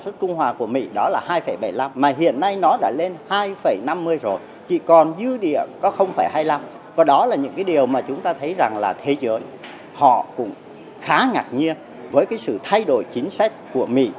thế giới họ cũng khá ngạc nhiên với sự thay đổi chính sách của mỹ